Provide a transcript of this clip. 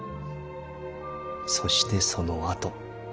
そしてそのあと。